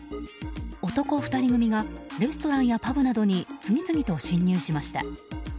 男２人組がレストランやパブなどに次々と侵入しました。